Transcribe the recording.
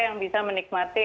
yang bisa menikmati